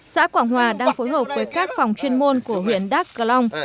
xã quảng hòa đang phối hợp với các phòng chuyên môn của huyện đắc cà long